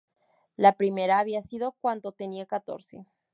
La primera había sido cuando tenía catorce.